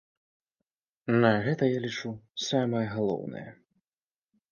А гэта, я лічу, самае галоўнае.